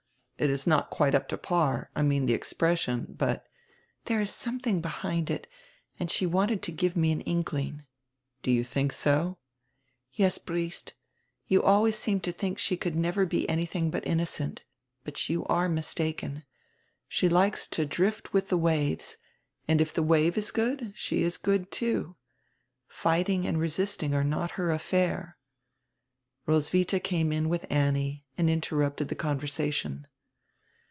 It is not quite up to par, I mean the expres sion. But—" "There is something behind it, and she wanted to give me an inkling." "Do you think so?" "Yes, Briest. You always seem to think she could never be anything but innocent. But you are mistaken. She likes to drift with the waves, and if the wave is good she is good, too. Fighting and resisting are not her affair." Roswitiia came in with Annie and interrupted the conversation.